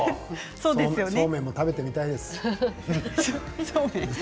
そうめんも食べてみたいです。